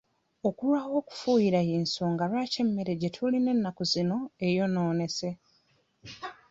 Okulwawo okufuuyira y'ensonga lwaki emmere gye tulina ennaku zino eyonoonese.